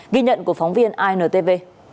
ghi nhận của phóng viên intv